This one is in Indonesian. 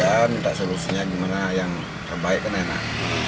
dan minta solusinya gimana yang terbaik kan enak